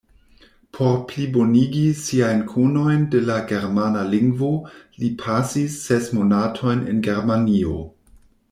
Por plibonigi siajn konojn de la germana lingvo li pasis ses monatojn en Germanio.